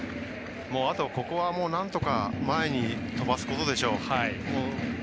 ここは、もうなんとか前に飛ばすことでしょう。